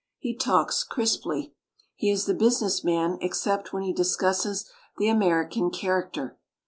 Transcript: He talks crisply. He is the business man except when he discusses the Ameri can character.